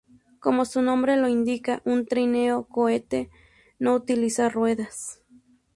Como su nombre lo indica, un trineo cohete no utiliza ruedas.